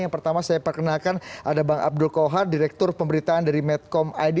yang pertama saya perkenalkan ada bang abdul kohar direktur pemberitaan dari medcom id